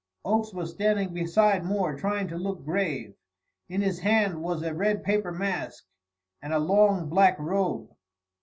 Oakes was standing beside Moore, trying to look grave. In his hand was a red paper mask and a long black robe!